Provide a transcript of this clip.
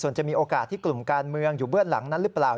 ส่วนจะมีโอกาสที่กลุ่มการเมืองอยู่เบื้องหลังนั้นหรือเปล่า